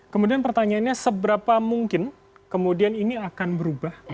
kemudian pertanyaannya seberapa mungkin kemudian ini akan berubah